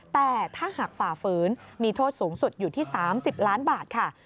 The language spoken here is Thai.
แต่ถ้าหากฝ่าฝืนมีโทษสูงสุดอยู่ที่๓๐ล้านบาทค่ะ